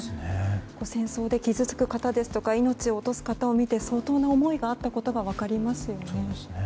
戦争で傷つく方ですとか命を落とす方を見て相当な思いがあったことが分かりますよね。